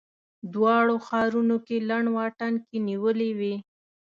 دواړو ښارونو کې لنډ واټن کې نیولې وې.